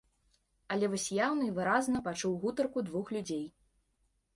Але вось яўна і выразна пачуў гутарку двух людзей.